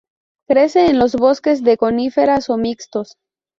Crece en los bosques de coníferas o mixtos.